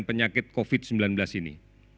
penyakit covid sembilan belas ini